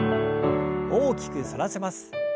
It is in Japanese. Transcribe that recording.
大きく反らせます。